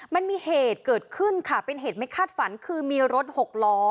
มันมีเหตุเกิดขึ้นค่ะเป็นเหตุไม่คาดฝันคือมีรถหกล้อ